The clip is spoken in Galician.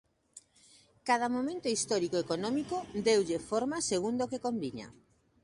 Cada momento histórico e económico deulle forma segundo o que conviña.